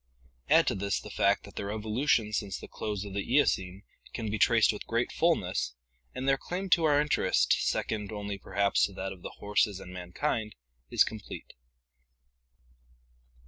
Add to this the fact that their evolution since the close of the Eocene can be traced with great fullness, and their claim to our interest, second only perhaps to that of the horses and mankind, is complete.